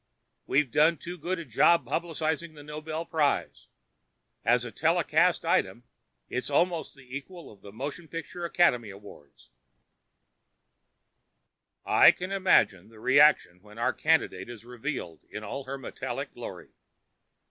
We've done too good a job publicizing the Nobel Prize. As a telecast item, it's almost the equal of the motion picture Academy Award." "I can imagine the reaction when our candidate is revealed in all her metallic glory.